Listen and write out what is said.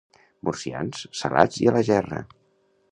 Murcians?, salats i a la gerra.